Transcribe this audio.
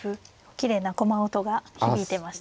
きれいな駒音が響いてましたね。